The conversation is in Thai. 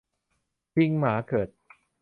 ชิงหมาเกิด